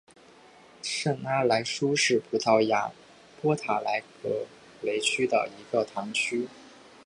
圣阿莱舒是葡萄牙波塔莱格雷区的一个堂区。